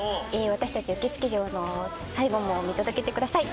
私たち受付嬢の最後も見届けてください。